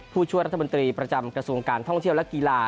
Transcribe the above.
ผู้ช่วยรัฐมนตรีประจำกระทรวงการท่องเที่ยวและกีฬา